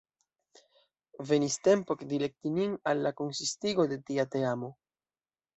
Venis tempo ekdirekti nin al la konsistigo de tia teamo.